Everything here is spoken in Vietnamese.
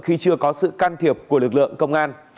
khi chưa có sự can thiệp của lực lượng công an